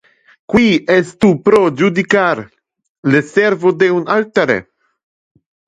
Qui es tu pro judicar le servo de un altere?